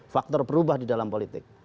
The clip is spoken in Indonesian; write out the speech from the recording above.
faktor berubah di dalam politik